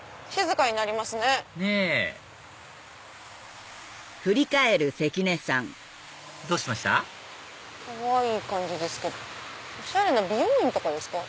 かわいい感じですけどおしゃれな美容院とかですか？